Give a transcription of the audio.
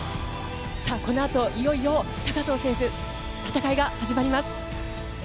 このあといよいよ高藤選手戦いが始まります。